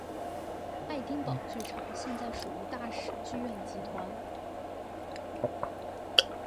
爱丁堡剧场现在属于大使剧院集团。